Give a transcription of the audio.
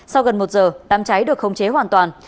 sau gần một giờ đám cháy được khống chế hoàn toàn